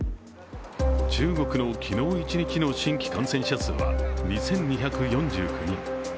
中国の昨日一日の新規感染者数は２２４９人。